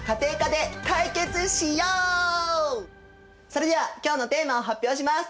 それでは今日のテーマを発表します！